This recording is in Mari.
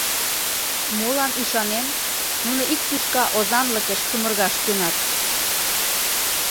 Молан ӱшанен, нуно ик тӱшка озанлыкыш чумыргаш кӧнат?